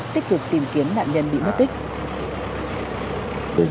tích cực tìm kiếm nạn nhân bị mất tích